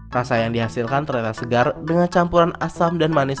rasa yang dihasilkan ternyata segar dengan campuran asam dan manis